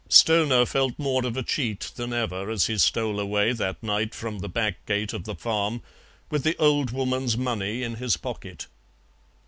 Stoner felt more of a cheat than ever as he stole away that night from the back gate of the farm with the old woman's money in his pocket.